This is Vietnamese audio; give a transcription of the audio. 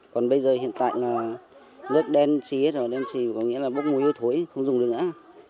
còn bây giờ hiện tại là nước đen xì hết rồi đen xì có nghĩa là bốc mùi hôi thối không dùng được nữa